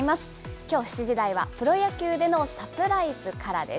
きょう７時台はプロ野球でのサプライズからです。